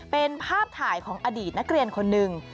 เป็นภาพถ่ายของอดีตนักเรียนคนหนึ่ง